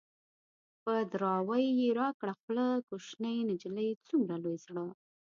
په دراوۍ يې راکړه خوله - کوشنی نجلۍ څومره لوی زړه